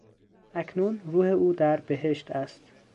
اکنون روح او در بهشت است.